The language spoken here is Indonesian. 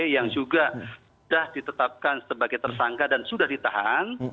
yang juga sudah ditetapkan sebagai tersangka dan sudah ditahan